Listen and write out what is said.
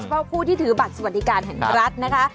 เพราะผู้ที่ถือบัตรสวัสดิการแห่งรัฐนะคะ